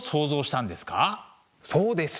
そうです。